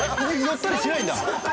寄ったりしないんだ